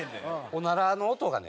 オナラの音がね